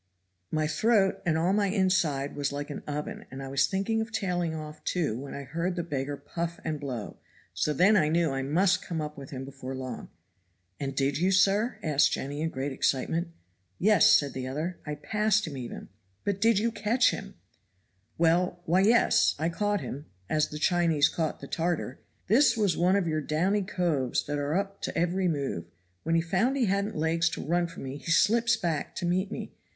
My throat and all my inside was like an oven, and I was thinking of tailing off, too, when I heard the beggar puff and blow, so then I knew I must come up with him before long." "And did you, sir?" asked Jenny in great excitement. "Yes," said the other, "I passed him even." "But did you catch him?" "Well! why yes I caught him as the Chinese caught the Tartar. This was one of your downy coves that are up to every move. When he found he hadn't legs to run from me he slips back to meet me.